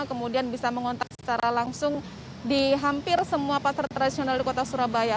kemudian bisa mengontak secara langsung di hampir semua pasar tradisional di kota surabaya